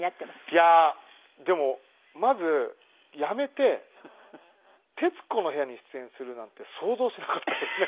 いやでもまず辞めて『徹子の部屋』に出演するなんて想像しなかったですね。